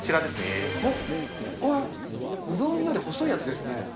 えっ、うどんより細いやつですね。